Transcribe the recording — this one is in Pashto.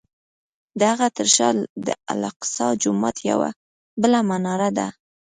د هغه تر شا د الاقصی جومات یوه بله مناره ده.